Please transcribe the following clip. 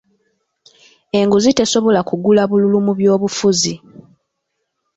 Enguzi tesobola kugula bululu mu by'obufuzi.